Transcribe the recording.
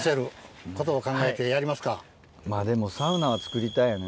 まぁでもサウナは作りたいよね。